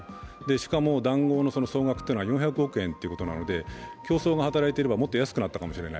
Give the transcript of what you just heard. しかも談合の総額というのは４００億円ということなので競争が働いていれば、もっと安くなったかもしれない。